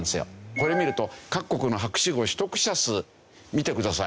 これを見ると各国の博士号取得者数見てください。